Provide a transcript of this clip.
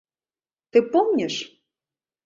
Ты помнишь?